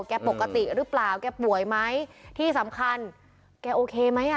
ปกติหรือเปล่าแกป่วยไหมที่สำคัญแกโอเคไหมอ่ะ